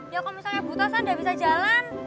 ya kalo misalnya buta kan gak bisa jalan